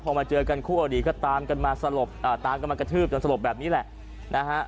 พอมาเจอกันคู่อดีตก็ตามกันมาสลบตามกันมากระทืบจนสลบแบบนี้แหละนะฮะ